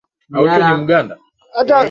Simu langu halina laini